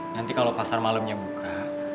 nanti kalau pasar malamnya buka